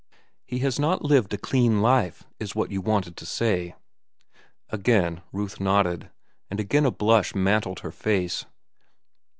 "He has not lived a clean life, is what you wanted to say." Again Ruth nodded, and again a blush mantled her face.